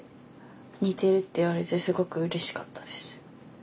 似てるって言われてすごくうれしかったです。